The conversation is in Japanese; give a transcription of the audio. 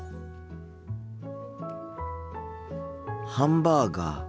ハンバーガー。